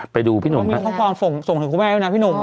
ไปดูพี่หนุ่มครับอเรนนี่พ่อส่งถึงครูแม่เร็วนะพี่หนุ่ม